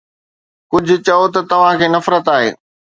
ڪجهه چئو ته توهان کي نفرت آهي